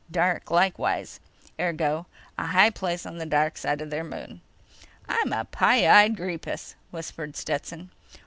Dark, likewise. Ergo: a high place on the darkside of their moon." "I'm a pie eyed greepus," whispered Stetson.